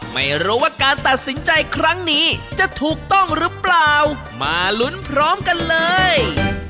ไม่รู้ว่าการตัดสินใจครั้งนี้จะถูกต้องหรือเปล่ามาลุ้นพร้อมกันเลย